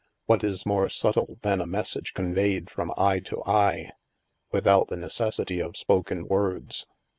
What is more subtle than a message conveyed from eye to eye, without the necessity of spoken words?